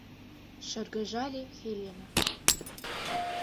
— Шыргыжале Хелена.